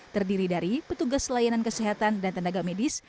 terdiri dari petugas layanan kesehatan dan tenaga medis